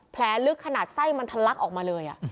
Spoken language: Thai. แผลลึกขนาดไส้มันทะลักออกมาเลย